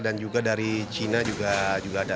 dan juga dari china juga ada